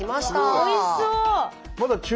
おいしそう。